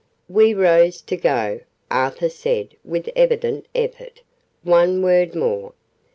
We rose to go. Arthur said, with evident effort, "One word more.